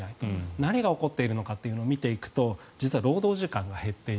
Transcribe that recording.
何が起こっているかと見ていくと実は労働時間が減っている。